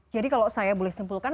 jadi kalau saya boleh simpulkan